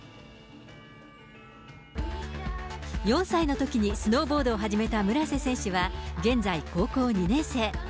４歳のときにスノーボードを始めた村瀬選手は、現在、高校２年生。